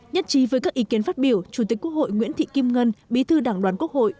nhất trí với các ý kiến phát biểu chủ tịch quốc hội nguyễn thị kim ngân bí thư đảng đoàn quốc hội